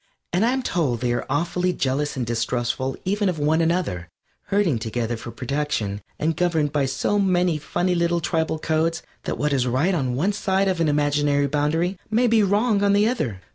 And I'm told they are awfully jealous and distrustful even of one another, herding together for protection and governed by so many funny little tribal codes that what is right on one side of an imaginary boundary may be wrong on the other.